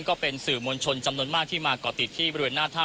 ก็เป็นสื่อมวลชนจำนวนมากที่มาก่อติดที่บริเวณหน้าถ้ำ